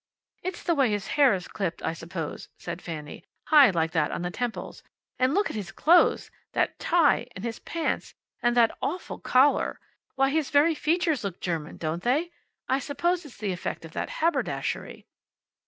"It's the way his hair is clipped, I suppose," said Fanny. "High, like that, on the temples. And look at his clothes! That tie! And his pants! And that awful collar! Why, his very features look German, don't they? I suppose it's the effect of that haberdashery."